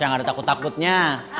yang ada takut takutnya